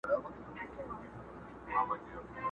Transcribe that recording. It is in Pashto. چي پر خره زورور نه یې پهلوانه!